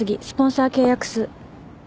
スポンサー契約数。